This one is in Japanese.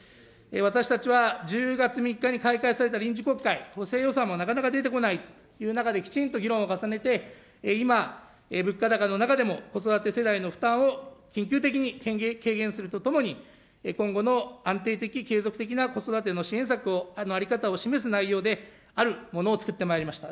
私たちは１０月３日に開会された臨時国会、補正予算もなかなか出てこないという中できちんと議論を重ねて、今、物価高の中でも子育て世代の負担を緊急的に軽減するとともに、今後の安定的継続的な子育ての支援策の在り方を示す内容であるものを作ってまいりました。